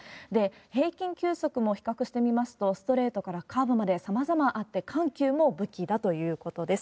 平均球速も比較してみますと、ストレートからカーブまでさまざまあって、緩急も武器だということです。